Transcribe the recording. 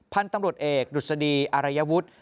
พันธุ์ตำรวจเอกดุษฎีอารัยวุฒิ